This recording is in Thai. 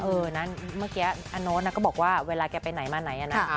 เพราะที่เมื่อกี้อะอาน้วนก็บอกว่าเวลาแกไปไหนมาไหนอะนะ